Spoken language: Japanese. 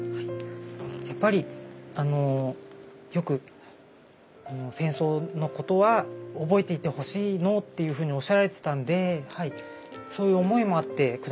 やっぱりよく戦争のことは覚えていてほしいのというふうにおっしゃられてたんでそういう思いもあって下さったんじゃないかなと思ってます。